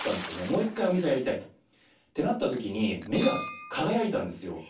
もう一回お店をやりたいと。ってなった時に目が輝いたんですよ。